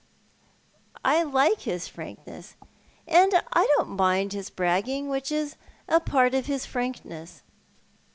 " I like his frankness, imd I don't mind his bragging, which is a part of his frankness."